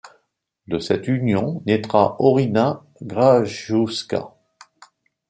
De cette union naîtra Orina Krajewska.